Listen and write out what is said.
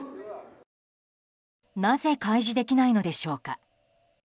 なぜ開示できないのでしょうか。